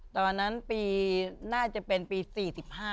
ตอนนั้นปีน่าจะเป็นปี๔๕ค่ะ